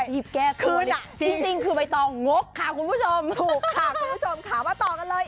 ยิบแก้โคลดิจริงคือไปต่องกค่ะคุณผู้ชมถูกค่ะคุณผู้ชมถามมาต่อกันเลย